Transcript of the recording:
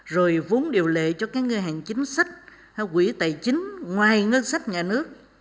rồi vốn điều lệ cho các ngân hàng chính sách quỹ tài chính ngoài ngân sách nhà nước